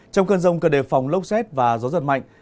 trong cơn rông cần đề phòng lốc xét và gió giật mạnh